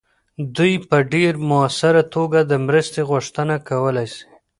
دوی په ډیر مؤثره توګه د مرستې غوښتنه کولی سي.